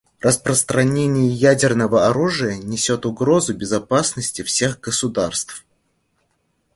Распространение ядерного оружия несет угрозу безопасности всех государств.